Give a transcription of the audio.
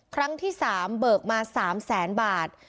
ครั้งที่๓เบิกมา๓๐๐๐๐๐บาท